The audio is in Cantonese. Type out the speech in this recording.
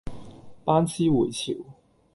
班師回朝